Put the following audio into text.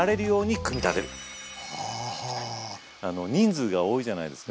人数が多いじゃないですか。